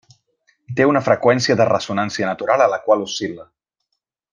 Té una freqüència de ressonància natural a la qual oscil·la.